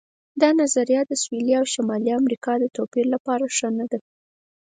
دا نظریه د سویلي او شمالي امریکا د توپیر لپاره ښه نه ده.